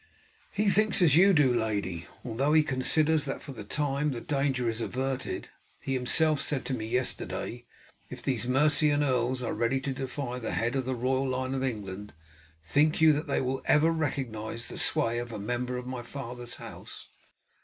"He thinks as you do, lady, although he considers that for the time the danger is averted. He himself said to me yesterday, 'If these Mercian earls are ready to defy the head of the royal line of England, think you that they will ever recognize the sway of a member of my father's house?'"